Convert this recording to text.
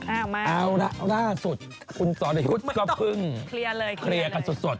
เอาล่ะสุดคุณสอนหยุดก็พึ่งเพลี่ยงกันสด